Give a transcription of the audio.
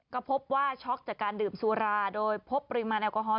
ก็พบว่าช็อกจากการดื่มสุราโดยพบปริมาณแอลกอฮอล